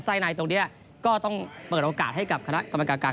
ในตรงนี้ก็ต้องเปิดโอกาสให้กับคณะกรรมการ